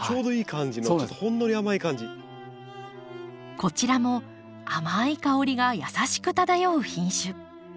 こちらも甘い香りが優しく漂う品種。